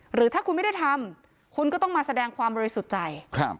หรือถ้าคุณไม่ได้ทำคุณก็ต้องมาแสดงความบริสุทธิ์ใจ